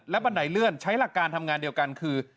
บันไดเลื่อนใช้หลักการทำงานเดียวกันคือ